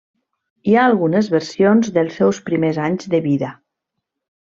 Hi ha algunes versions dels seus primers anys de vida.